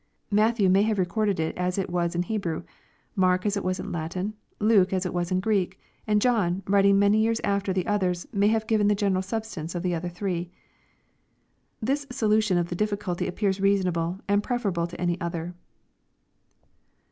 Mattliew may have recorded it as it was in Hebrew, — Mark as it was in Latin, — Luke as it was in Greek ;— and John, writing many years after the others, may have given the general substance of the other three. This solution of the difficulty appears reasonable, and preferable to any other.